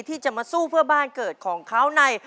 ที่จะมาสู้เพื่อบ้านเกิดของเขาใน